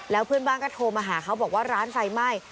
แล้วเพื่อนบ้านก็โทรมาหาเขาบอกว่าร้านไฟไหม้